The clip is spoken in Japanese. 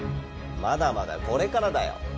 まだまだこれからだよ。